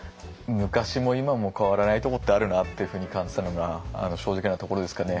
昔も今も変わらないとこってあるなっていうふうに感じたのが正直なところですかね。